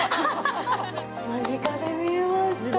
間近で見れました。